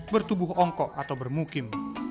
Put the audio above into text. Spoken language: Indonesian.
bertubuh ongkok atau bermukim